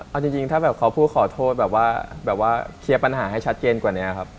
เอาจริงถ้าแบบเขาพูดขอโทษแบบว่าแบบว่าเคลียร์ปัญหาให้ชัดเจนกว่านี้ครับ